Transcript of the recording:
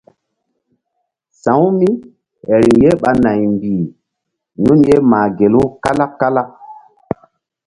Sa̧wu mí riŋ ye ɓa naymbih nun ye mah gelu kalak kalak.